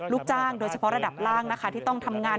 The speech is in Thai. ลูกจ้างโดยเฉพาะระดับล่างนะคะที่ต้องทำงาน